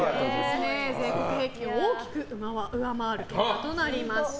全国平均を大きく上回る結果となりました。